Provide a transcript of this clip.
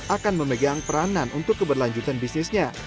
akan memegang peranan untuk keberlanjutan bisnisnya